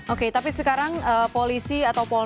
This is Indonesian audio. oke tapi sekarang polisi atau polri